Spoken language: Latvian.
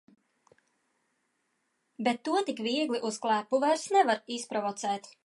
Bet to tik viegli uz klepu vairs nevar izprovocēt.